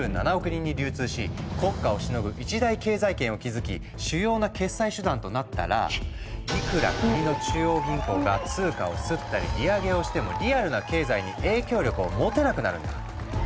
人に流通し国家をしのぐ一大経済圏を築き主要な決済手段となったらいくら国の中央銀行が通貨を刷ったり利上げをしてもリアルな経済に影響力を持てなくなるんだ。